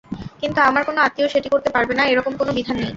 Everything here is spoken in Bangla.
কিন্তু আমার কোনো আত্মীয় সেটি করতে পারবে না—এ রকম কোনো বিধান নেই।